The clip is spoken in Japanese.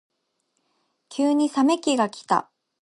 急に冷め期がきた。